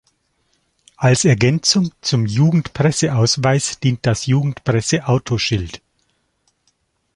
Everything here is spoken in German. Als Ergänzung zum Jugend-Presseausweis dient das Jugendpresse-Autoschild.